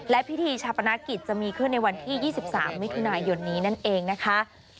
และพิธีชาปนกิจจะมีขึ้นในวันที่๒๓มิถุนายนนี้นั่นเองนะคะ